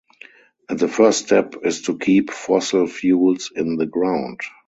And the first step is to keep fossil fuels in the ground.